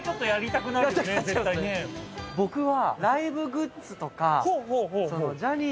僕は。